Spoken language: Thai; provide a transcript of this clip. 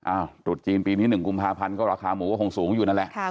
ตรุษจีนปีนี้๑กุมภาพันธ์ก็ราคาหมูก็คงสูงอยู่นั่นแหละ